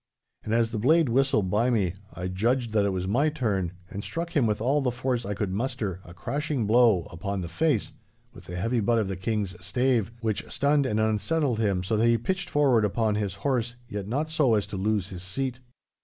And as the blade whistled by me, I judged that it was my turn, and struck him with all the force I could muster a crashing blow upon the face with the heavy butt of the King's stave, which stunned and unsettled him so that he pitched forward upon his horse, yet not so as to lose his seat.